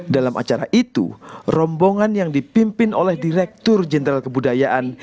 dalam acara itu rombongan yang dipimpin oleh direktur jenderal kebudayaan